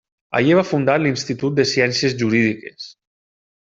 Allí va fundar l'Institut de Ciències Jurídiques.